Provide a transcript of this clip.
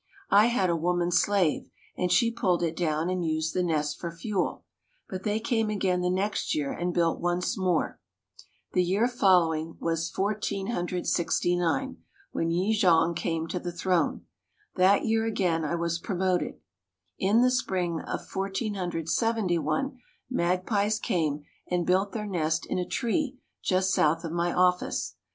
I had a woman slave, and she pulled it down and used the nest for fuel, but they came again the next year and built once more. The year following was 1469 when Ye jong came to the throne. That year again I was promoted. In the spring of 1471 magpies came and built their nest in a tree just south of my office.